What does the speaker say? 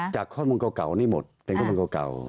จากข้อมูลเก่านี้หมดเป็นข้อมูลเก่า